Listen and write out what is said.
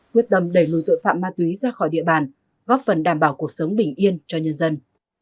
quyết tâm đẩy lùi tội phạm ma túy ra khỏi địa bàn góp phần đảm bảo cuộc sống bình yên cho nhân dân